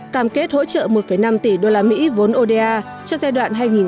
cam kết hỗ trợ một năm tỷ usd vốn oda cho giai đoạn hai nghìn hai mươi một hai nghìn hai mươi